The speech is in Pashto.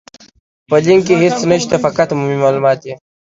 په لينک کې هيڅ نشته، فقط عمومي مالومات دي.